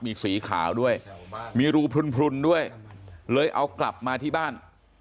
มีสีขาวด้วยมีรูพลุนด้วยเลยเอากลับมาที่บ้าน